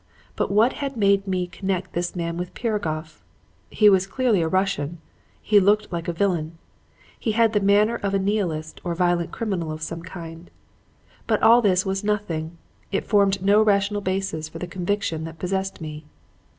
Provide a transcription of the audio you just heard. But what had made me connect this man with Piragoff? He was clearly a Russian. He looked like a villain. He had the manner of a Nihilist or violent criminal of some kind. But all this was nothing. It formed no rational basis for the conviction that possessed me.